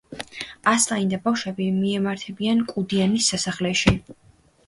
ასლანი და ბავშვები მიემართებიან კუდიანის სასახლეში.